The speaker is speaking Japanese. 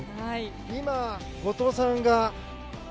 今、後藤さんが。